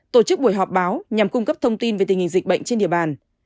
thông tin về tình hình dịch bệnh trên địa bàn